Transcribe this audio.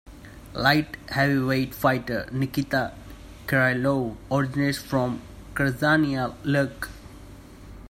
Light heavyweight fighter Nikita Krylov originates from Krasnyi Luch.